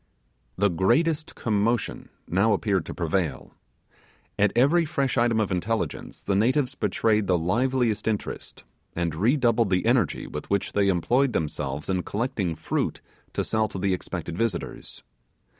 The greatest commotion now appeared to prevail. At every fresh item of intelligence the natives betrayed the liveliest interest, and redoubled the energy with which they employed themselves in collecting fruit to sell to the expected visitors.